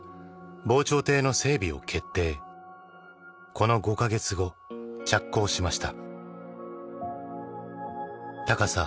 この５カ月後着工しました。